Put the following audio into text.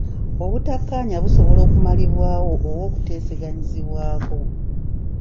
Obutakkaanya busobola okumalibwawo oba okuteeseganyizibwako.